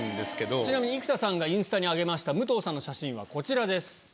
ちなみに生田さんがインスタに上げました武藤さんの写真はこちらです。